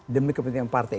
demi kepentingan partai